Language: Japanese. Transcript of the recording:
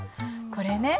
これね。